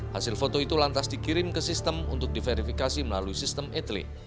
hasil foto itu lantas dikirim ke sistem untuk diverifikasi melalui sistem etelit